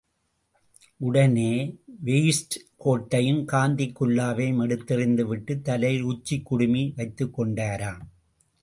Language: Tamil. உடனே வெயிஸ்ட் கோட்டையும் காந்திக் குல்லாவையும் எடுத்தெறிந்து விட்டுத் தலையில் உச்சிக்குடுமி வைத்துக் கொண்டாராம்.